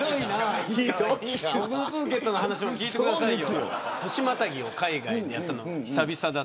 僕のプーケットの話も聞いてくださいよ。